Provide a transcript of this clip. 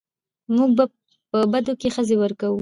موږ په بدو کې ښځې ورکوو